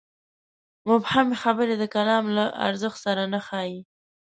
مبهمې خبرې د کالم له ارزښت سره نه ښايي.